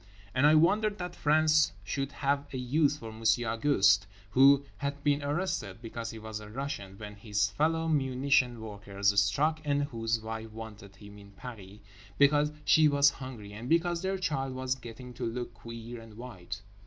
And I wondered that France should have a use for Monsieur Auguste, who had been arrested (because he was a Russian) when his fellow munition workers struck and whose wife wanted him in Paris because she was hungry and because their child was getting to look queer and white.